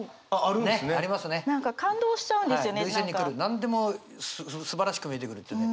何でもすばらしく見えてくるというね。